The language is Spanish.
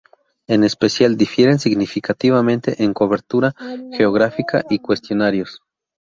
En especial difieren significativamente en cobertura geográfica y cuestionarios.